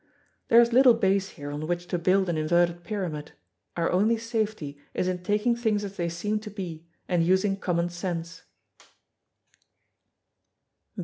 There is little base here on which to build an inverted pyramid; our only safety is in taking things as they seem to be and using common sense.